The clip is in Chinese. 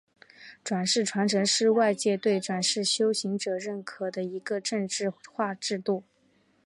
转世传承是外界对转世修行者认可的一个政治化制度。